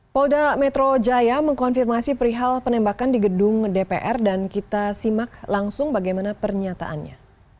polda metro jaya mengkonfirmasi perihal penembakan di gedung dpr dan kita simak langsung bagaimana pernyataannya